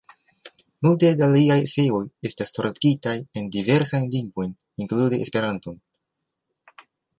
Multe da liaj eseoj estas tradukitaj en diversajn lingvojn, inklude Esperanton.